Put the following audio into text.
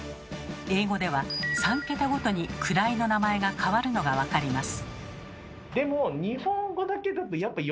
英語では３桁ごとに位の名前が変わるのが分かります。